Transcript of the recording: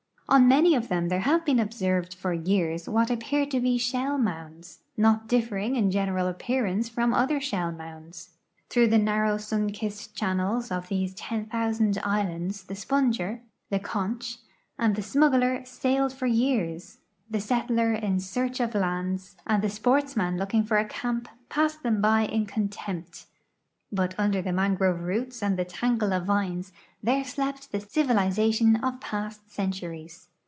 On many of them there have been observed for years what appeared to be shell mounds, not differing in gen eral appearance from other shell mounds. Through the narrow sun kissed channels of these ten thousand islands the sponger, " the Conch," and the smuggler sailed for }'ears; the settler in search of lands and the sportsman looking for a camp passed them by in contempt; but under the mangrove roots and the tangle of vines there slept the civilization of past centuries.